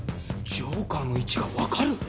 ジョーカーの位置が分かる！？